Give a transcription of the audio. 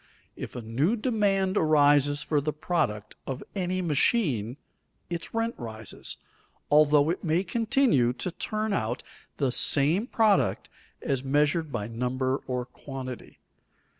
If a new demand arises for the product of any machine, its rent rises, although it may continue to turn out the same product as measured by number or quantity.